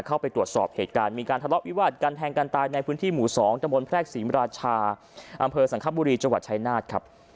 เข้าไปตรวจสอบเหตุการณ์มีการทะเลาะวิวาดกันแทงกันตายในพื้นที่หมู่๒ตะบนแพรกศรีมราชาอำเภอสังคบุรีจังหวัดชายนาฏครับ